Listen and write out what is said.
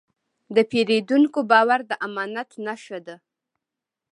د پیرودونکي باور د امانت نښه ده.